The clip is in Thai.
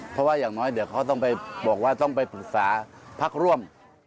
เพราะว่าอย่างน้อยเดี๋ยวเขาต้องไปบอกว่าต้องไปปรึกษาพักร่วม